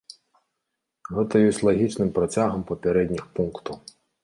Гэта ёсць лагічным працягам папярэдніх пунктаў.